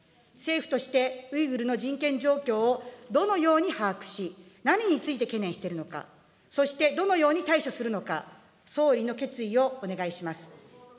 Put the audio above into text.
政府として、ウイグルの人権状況を、どのように把握し、何について懸念しているのか、そしてどのように対処するのか、総理の決意をお願いします。